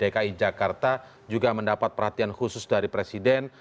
yang kedua ini dki jakarta juga mendapat perhatian khusus dari presiden